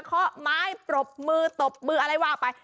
ข้อไม้ปรบมือตบมืออะไรว่าไป